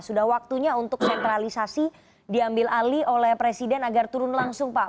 sudah waktunya untuk sentralisasi diambil alih oleh presiden agar turun langsung pak